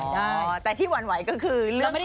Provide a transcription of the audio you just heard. อย่างกับพี่คุยคุยคุยเขาขึ้นมา